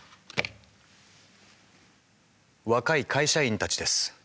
若い会社員たちです。